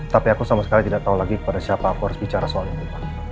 tapi aku sama sekali tidak tahu lagi kepada siapa aku harus bicara soal itu